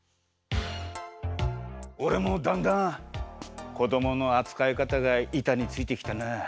おれもだんだんこどものあつかいかたがいたについてきたな。